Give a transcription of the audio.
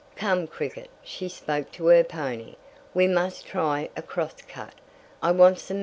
"Come Cricket," she spoke to her pony. "We must try a cross cut. I want some mandrakes."